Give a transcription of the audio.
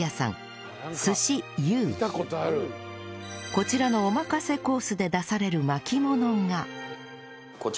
こちらのおまかせコースで出される巻物が